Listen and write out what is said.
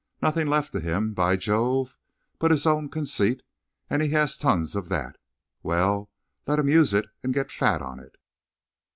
Nothing left to him, by Jove, but his own conceit, and he has tons of that! Well, let him use it and get fat on it!"